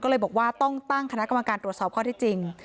ก็เลยบอกว่าต้องตั้งคณะกรรมการตรวจสอบข้อที่จริง